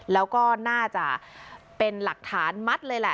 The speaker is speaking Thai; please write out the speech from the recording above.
แล้วก็น่าจะเป็นหลักฐานมัดเลยแหละ